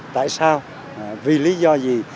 tại sao vì lý do gì